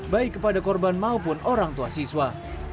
baik kepada korban maupun orang tua siswa